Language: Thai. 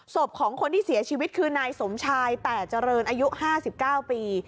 ศพของคนที่เสียชีวิตคือนายสมชายแต่เจริญอายุ๕๙ปี